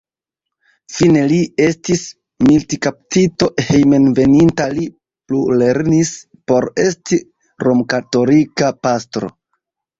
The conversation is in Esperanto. Fine li estis militkaptito, hejmenveninta li plulernis por esti romkatolika pastro.